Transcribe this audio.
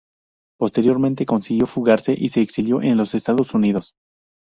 Posteriormente, consiguió fugarse y se exilió en los Estados Unidos.